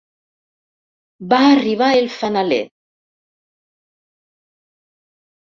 Va arribar el fanaler.